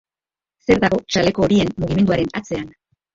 Zer dago txaleko horien mugimenduaren atzean?